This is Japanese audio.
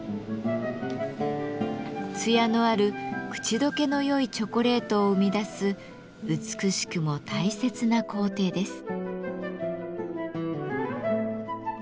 艶のある口溶けのよいチョコレートを生み出す美しくも大切な工程です。